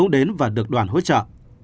đến và được đoàn hỗ trợ